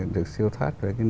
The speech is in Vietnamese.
được siêu thoát